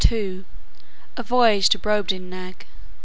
A VOYAGE TO BROBDINGNAG.